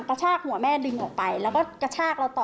กระชากหัวแม่ดึงออกไปแล้วก็กระชากเราต่อ